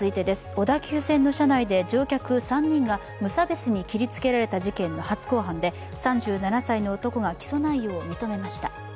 小田急線の車内で乗客３人が無差別に切りつけられた事件の初公判で３７歳の男が起訴内容を認めました。